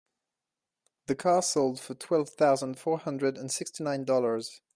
The car sold for twelve thousand four hundred and sixty nine dollars.